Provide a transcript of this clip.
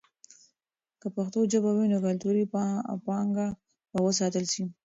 که پښتو ژبه وي، نو کلتوري پانګه به وساتل سي.